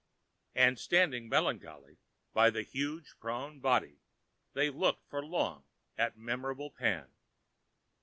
And, standing melancholy by that huge prone body, they looked for long at memorable Pan.